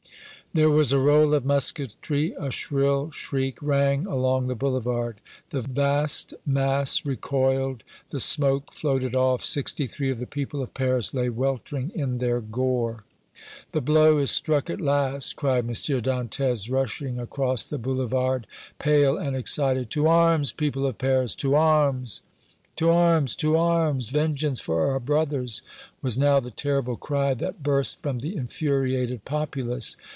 There was a roll of musketry a shrill shriek rang along the Boulevard the vast mass recoiled the smoke floated off sixty three of the people of Paris lay weltering in their gore! "The blow is struck at last!" cried M. Dantès, rushing across the Boulevard, pale and excited. "To arms, people of Paris, to arms!" "To arms, to arms! Vengeance for our brothers!" was now the terrible cry that burst from the infuriated populace.